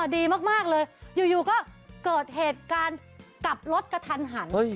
ดีมากเลยอยู่ก็เกิดเหตุการณ์กลับรถกระทันหัน